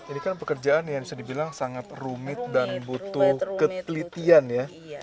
ini kan pekerjaan yang bisa dibilang sangat rumit dan butuh ketelitian ya